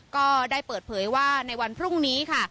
ก็ได้เปิดเผยว่าในวันพรุ่งนี้ค่ะ